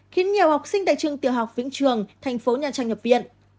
khiến nhiều học sinh tại trường tiểu học vĩnh trường tp nha trang nhập viện